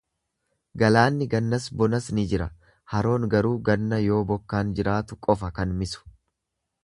Galaanni gannas bonas ni jira, haroon garuu ganna yoo bokkaan jiraatu qofa kan misu.